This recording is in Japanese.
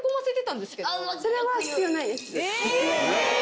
え！